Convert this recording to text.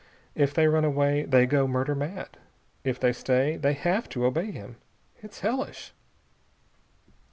If they run away, they go murder mad. If they stay, they have to obey him. It's hellish!"